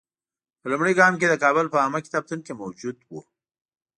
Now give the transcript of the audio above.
په لومړي ګام کې د کابل په عامه کتابتون کې موجود وو.